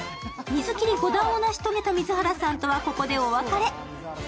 水切り５段を成し遂げた水原さんとはここでお別れ。